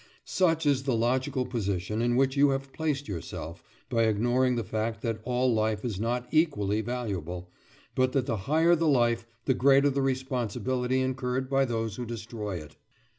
Such is the logical position in which you have placed yourself by ignoring the fact that all life is not equally valuable, but that the higher the life the greater the responsibility incurred by those who destroy it.